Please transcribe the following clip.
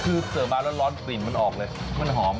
คือเสิร์ฟมาร้อนกลิ่นมันออกเลยมันหอม